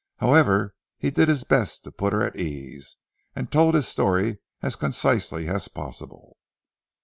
However he did his best to put her at her ease, and told his story as concisely as possible.